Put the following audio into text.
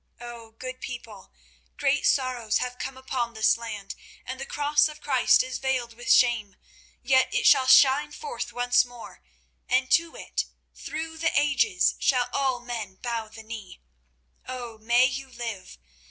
Oh! good people, great sorrows have come upon this land, and the Cross of Christ is veiled with shame. Yet it shall shine forth once more, and to it through the ages shall all men bow the knee. Oh! may you live!